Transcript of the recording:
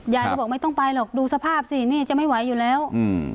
ยายก็บอกไม่ต้องไปหรอกดูสภาพสินี่จะไม่ไหวอยู่แล้วอืม